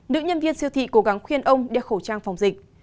nữ nhân viên siêu thị cố gắng khuyên ông đeo khẩu trang phòng dịch